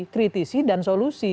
kritisi dan solusi